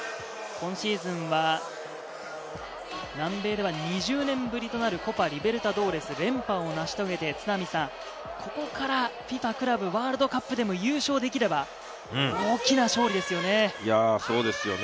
今シーズンは、南米では２０年ぶりとなるコパ・リベルタドーレス、連覇を成し遂げて、ここからＦＩＦＡクラブワールドカップでも優勝できれば、大きな勝利ですね。